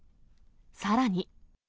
さらに。